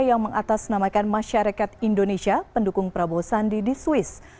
yang mengatasnamakan masyarakat indonesia pendukung prabowo sandi di swiss